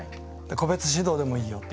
個別指導でもいいよと。